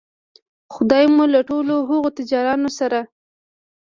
خدای مو له ټولو هغو تجارانو سره